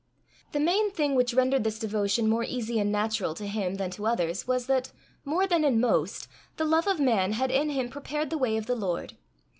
The main thing which rendered this devotion more easy and natural to him than to others was, that, more than in most, the love of man had in him prepared the way of the Lord.